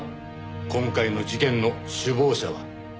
今回の事件の首謀者は。